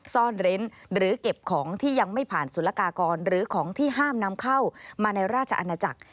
ซ่อนเร้นหรือเก็บของที่ยังไม่ผ่านสุรกากรหรือของที่ห้ามนำเข้ามาในราชอาณาจักร